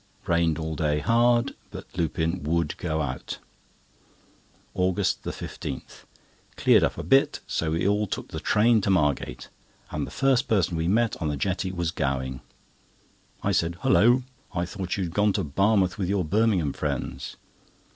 Rained all day hard, but Lupin would go out. AUGUST 15.—Cleared up a bit, so we all took the train to Margate, and the first person we met on the jetty was Gowing. I said: "Hulloh! I thought you had gone to Barmouth with your Birmingham friends?"